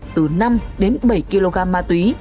từ năm đến bảy kg ma túy